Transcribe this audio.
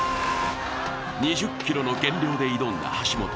２０ｋｇの減量で挑んだ橋本。